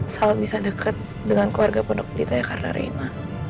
sal bisa deket dengan keluarga penduduk kita ya karena raina